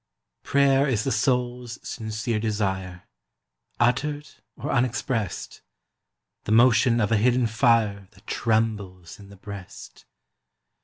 Prayer is the soul's sincere desire, Uttered or unexpressed The motion of a hidden fire That trembles in the breast.